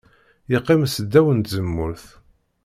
Yeqqim s ddaw n tzemmurt.